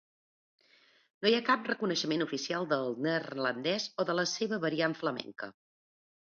No hi ha cap reconeixement oficial del neerlandès o de la seva variant flamenca.